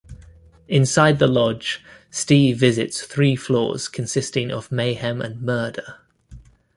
Inside the Lodge Steve visits three floors consisting of mayhem and murder.